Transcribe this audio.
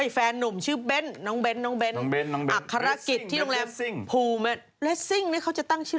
แฟนนุบ้นน้องเบนอัฆาราชิต